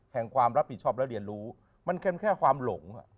ความรับผิดชอบและเรียนรู้มันเป็นแค่ความหลง